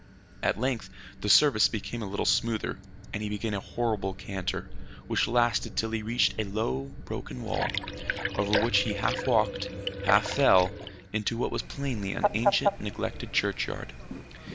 At length the surface became a little smoother, and he began a horrible canter which lasted till he reached a low, broken wall, over which he half walked, half fell into what was plainly an ancient neglected churchyard.